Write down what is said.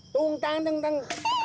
tung tang teng teng